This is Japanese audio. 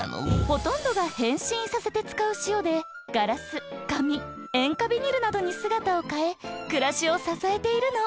ほとんどが変身させて使う塩でガラスかみ塩化ビニルなどにすがたをかえくらしをささえているの。